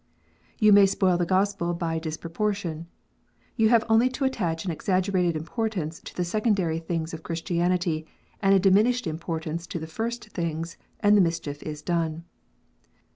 You may spoil the Gospel by disproportion. You have only to attach an exaggerated importance to the secondary things of Christianity, and a diminished importance to the first things, and the mischief is done.